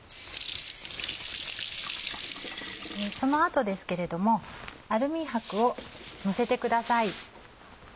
その後ですけれどもアルミ箔をのせてください。